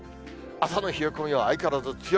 朝の冷え込みは相変わらず強い。